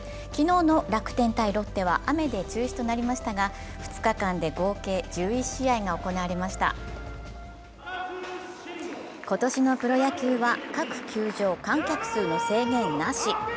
昨日の楽天×ロッテは雨で中止となりましたが２日間で合計１１試合が行われました今年のプロ野球は、各球場観客数の制限なし。